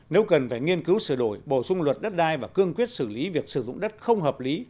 nếu cần phải nghiên cứu sửa đổi bổ sung luật đất đai và cương quyết xử lý việc sử dụng đất không hợp lý